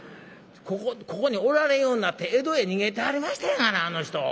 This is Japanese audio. ここにおられんようになって江戸へ逃げてはりましたやがなあの人。